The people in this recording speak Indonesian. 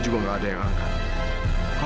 juga nggak ada yang angkat